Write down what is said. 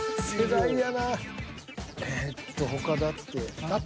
えっと他だって。